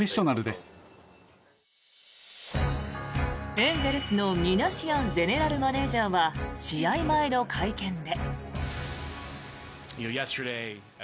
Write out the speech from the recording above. エンゼルスのミナシアンゼネラルマネジャーは試合前の会見で。